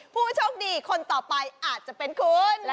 ผู้โชคดีคนต่อไปอาจจะเป็นคุณ